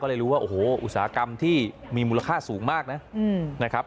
เลยรู้ว่าโอ้โหอุตสาหกรรมที่มีมูลค่าสูงมากนะครับ